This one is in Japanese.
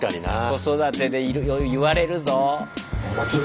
子育てで言われるぞ。